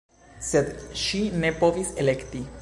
Sed ŝi ne povis elekti.